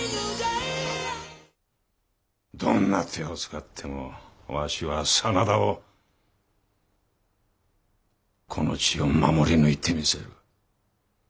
どんな手を使ってもわしは真田をこの地を守り抜いてみせる。